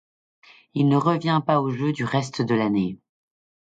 Il ne revient pas au jeu du reste de l'année.